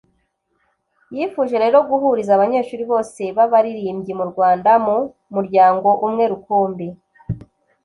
Yifuje rero guhuriza abanyeshuri bose b'abaririmbyi mu Rwanda mu muryango umwe rukumbi.